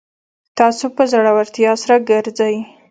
تاسو په زړورتیا سره ګرځئ